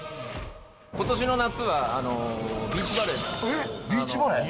ことしの夏は、ビーチバレーの。